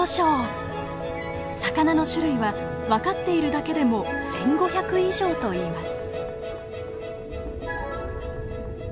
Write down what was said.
魚の種類は分かっているだけでも１，５００以上といいます。